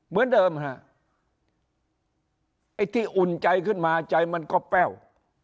เหมือนเดิมฮะไอ้ที่อุ่นใจขึ้นมาใจมันก็แป้ว